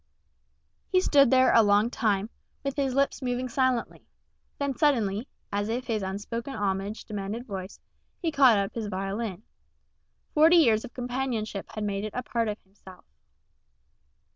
He stood there a long time, with his lips moving silently; then suddenly, as if his unspoken homage demanded voice, he caught up his violin. Forty years of companionship had made it a part of himself.